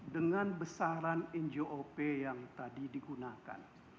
dengan besaran njop yang tadi digunakan